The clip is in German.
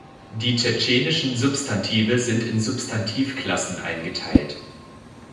Die tschetschenischen Substantive sind in Substantivklassen eingeteilt.